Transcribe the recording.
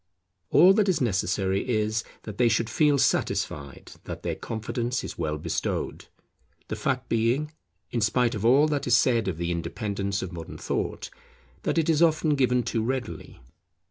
All that is necessary is, that they should feel satisfied that their confidence is well bestowed, the fact being, in spite of all that is said of the independence of modern thought, that it is often given too readily.